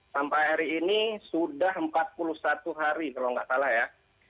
sampai hari ini sudah empat puluh satu hari kalau nggak salah ya